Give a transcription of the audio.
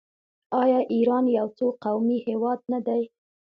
آیا ایران یو څو قومي هیواد نه دی؟